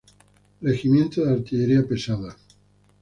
Regimiento de Artillería pesada.